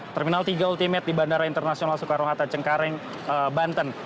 terminal tiga ultimate di bandara internasional soekarno hatta cengkareng banten